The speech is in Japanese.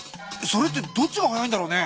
それってどっちが速いんだろうね。